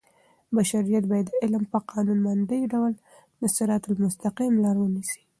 بشریت باید د علم په قانونمند ډول د صراط المستقیم لار ونیسي.